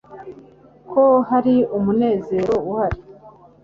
Ko hari umunezero uhari